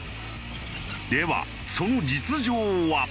ではその実情は？